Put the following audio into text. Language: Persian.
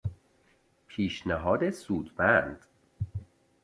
پیشنهاد سودمند